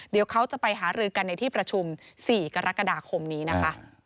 เดี๋ยวเขาจะไปหารือกันในที่ประชุม๔กรกฎาคมนี้นะคะ